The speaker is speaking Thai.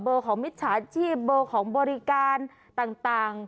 ของมิจฉาชีพเบอร์ของบริการต่าง